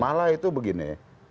malah itu begini